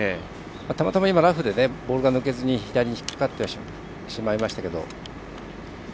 たまたまラフでボールが抜けずに左に引っ掛かってしまいましたけど。